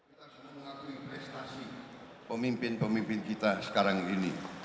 kita sudah mengakui prestasi pemimpin pemimpin kita sekarang ini